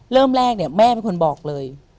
เริ่มแรกเนี่ยแม่เป็นคนบอกเลย